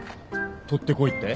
取ってこいって？